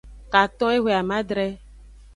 Katon ehwe amadre.